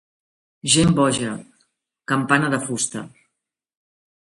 Gent boja, campana de fusta.